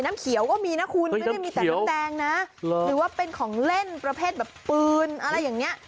น้ำเขียวก็มีนะคุณไม่ได้มีแต่น้ำแดงนะหรือว่าเป็นของเล่นประเภทแบบปืนอะไรอย่างนี้